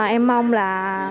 em mong là